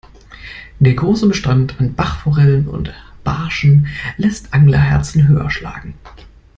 Der große Bestand an Bachforellen und Barschen lässt Anglerherzen höher schlagen.